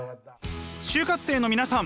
就活生の皆さん